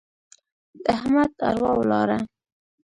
د احمد اروا ولاړه.